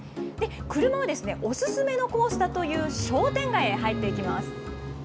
車はおすすめのコースだという商店街へ入っていきます。